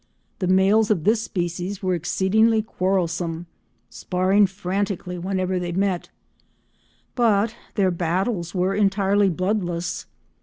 The males of this species were exceedingly quarrelsome, sparring frantically whenever they met, but their battles were entirely bloodless.